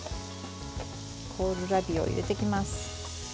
コールラビを入れていきます。